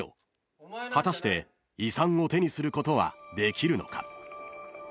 ［果たして遺産を手にすることはできるのか？］